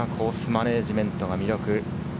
マネジメントが魅力。